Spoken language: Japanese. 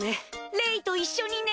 れいと一緒にね！